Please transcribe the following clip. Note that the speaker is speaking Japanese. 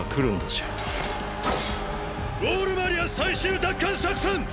ウォール・マリア最終奪還作戦！！